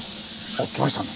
おっ来ましたね。